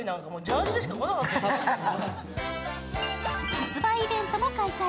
発売イベントも開催。